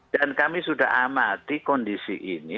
dan kami sudah amati kondisi ini